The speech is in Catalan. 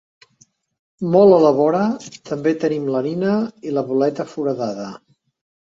Molt a la vora, també tenim La Nina i La Boleta Foradada.